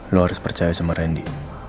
lo harus percaya sama randy